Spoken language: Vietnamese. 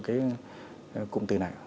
cái cụm từ này